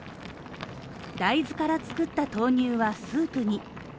大豆から作った豆乳はスープに。